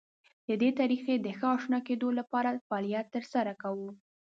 د دې طریقې د ښه اشنا کېدو لپاره فعالیت تر سره کوو.